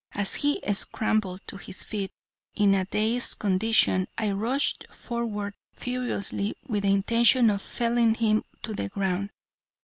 As he scrambled to his feet, in a dazed condition, I rushed forward furiously, with the intention of felling him to the ground.